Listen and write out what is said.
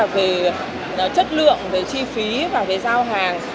về chất lượng về chi phí và về giao hàng